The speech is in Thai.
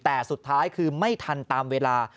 แต่สุดท้ายคือไม่ทันตามเวลา